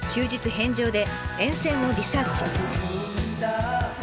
返上で沿線をリサーチ。